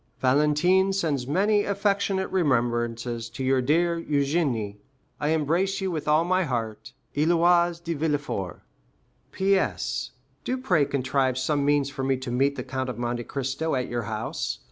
Valentine sends many affectionate remembrances to your dear Eugénie. I embrace you with all my heart. Héloïse de Villefort. P.S.—Do pray contrive some means for me to meet the Count of Monte Cristo at your house.